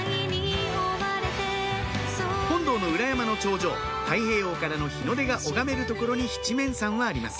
本堂の裏山の頂上太平洋からの日の出が拝める所に七面山はあります